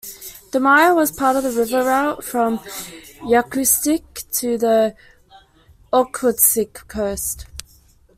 The Maya was part of the river route from Yakutsk to the Okhotsk Coast.